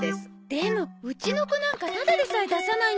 でもうちの子なんかただでさえ出さないんですもの